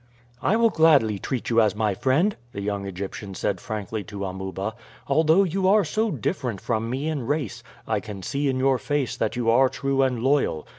"I will gladly treat you as my friend," the young Egyptian said frankly to Amuba. "Although you are so different from me in race, I can see in your face that you are true and loyal.